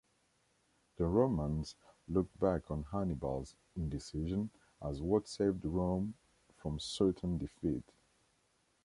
The Romans looked back on Hannibal's indecision as what saved Rome from certain defeat.